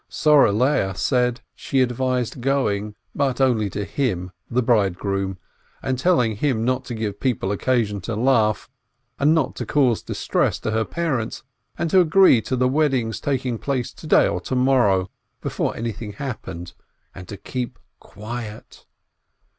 Soreh Leoh said: She advised going, but only to him, the bridegroom, and telling him not to give people occasion to laugh, and not to cause distress to her parents, and to agree to the wedding's taking place to day or to mor row, before anything happened, and to keep quiet.